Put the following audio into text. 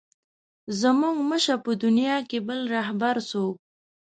زموږ مه شه په دنیا کې بل رهبر څوک.